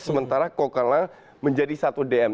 sementara cocala menjadi satu dm